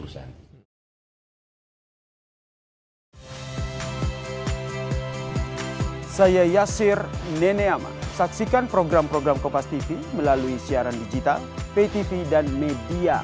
saya yassir nene ama saksikan program program kompas tv melalui siaran digital ptv dan media